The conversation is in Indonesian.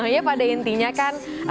ya pada intinya kan